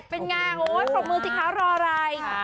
เป็นไงโอ้โหขอบมือสิคะรอไหล